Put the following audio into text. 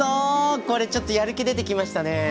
これちょっとやる気出てきましたね。